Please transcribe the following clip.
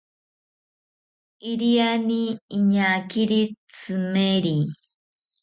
Iriani iñakiri tzimeri